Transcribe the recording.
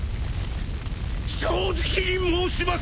正直に申します。